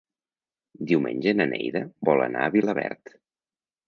Diumenge na Neida vol anar a Vilaverd.